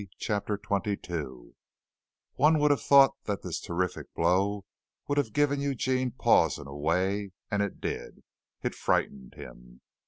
CHAPTER XXII One would have thought that this terrific blow would have given Eugene pause in a way, and it did. It frightened him.